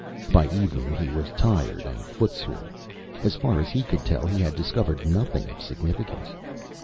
By evening, he was tired and footsore. As far as he could tell, he had discovered nothing of significance.